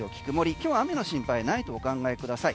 今日雨の心配ないとお考えください。